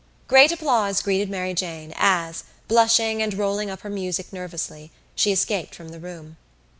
Great applause greeted Mary Jane as, blushing and rolling up her music nervously, she escaped from the room.